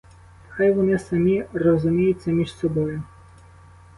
Хай вони самі розуміються між собою!